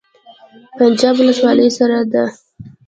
پنجاب ولسوالۍ سړه ده؟